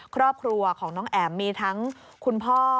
ครอบครัวของน้องแอ๋มมีทั้งคุณพ่อ